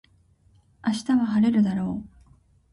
明日は晴れるだろう